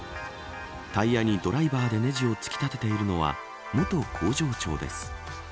タイヤにドライバーでねじを突き立てているのは元工場長です。